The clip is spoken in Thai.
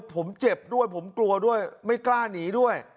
ผมเจ็บด้วยผมกลัวด้วยไม่กล้าหนีด้วย